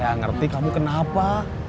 saya ngerti kamu kenapa